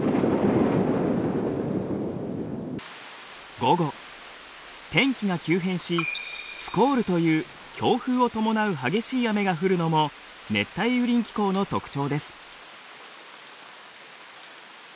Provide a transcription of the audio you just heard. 午後天気が急変しスコールという強風を伴う激しい雨が降るのも熱帯雨林気候の特徴です。